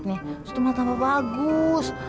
terus malah tampak bagus